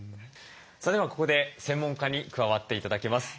それではここで専門家に加わって頂きます。